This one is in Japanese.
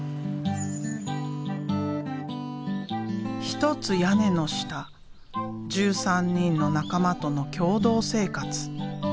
一つ屋根の下１３人の仲間との共同生活。